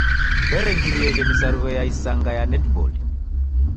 W'erengirieghe misarigho ya isanga ya netiboli.